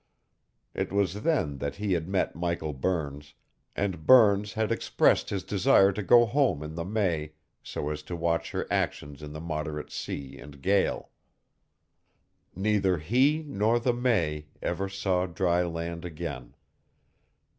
It was then that he had met Michael Burns, and Burns had expressed his desire to go home in the May so as to watch her actions in a moderate sea and gale. Neither he nor the May ever saw dry land again.